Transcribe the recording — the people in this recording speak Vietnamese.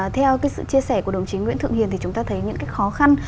theo cái sự chia sẻ của đồng chí nguyễn thượng hiền thì chúng ta thấy những cái khó khăn